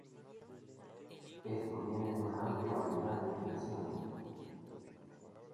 Esto viene en una amplia variedad de aplicaciones.